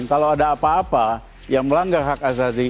kalau ada apa apa yang melanggar hak asasi